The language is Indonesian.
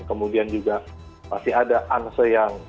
kemudian juga masih ada an seyang